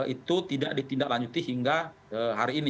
itu tidak ditindaklanjuti hingga hari ini